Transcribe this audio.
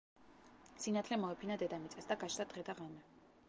სინათლე მოეფინა დედამიწას და გაჩნდა დღე და ღამე.